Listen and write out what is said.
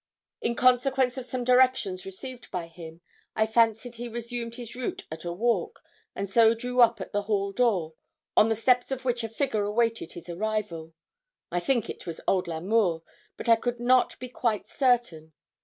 In consequence of some directions received by him, I fancied he resumed his route at a walk, and so drew up at the hall door, on the steps of which a figure awaited his arrival. I think it was old L'Amour, but I could not be quite certain.